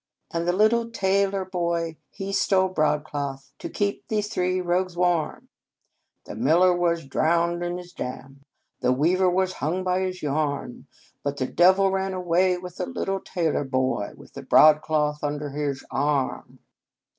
"And the little tailor boy, he stole broad cloth, To keep these three rogues warm." " The miller was drowned in his dam, The weaver was hung by his yarn, But the Devil ran away with the little tailor boy, With the broadcloth under his arm."